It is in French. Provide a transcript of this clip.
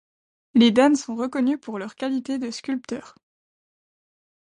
Les Dan sont reconnus pour leurs qualités de sculpteurs.